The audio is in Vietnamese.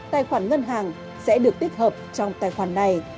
tài khoản ngân hàng sẽ được tích hợp trong tài khoản này